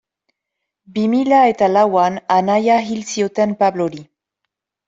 Bi mila eta lauan anaia hil zioten Pablori.